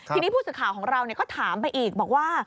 ทีนี้ผู้สื่อข่าวของเราก็ถามไปอีกบอกว่า